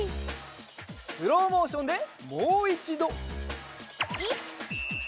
スローモーションでもういちど！